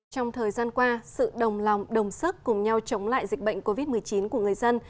trong thời gian qua sự đồng lòng đồng sức cùng nhau chống lại dịch bệnh covid một mươi chín của người dân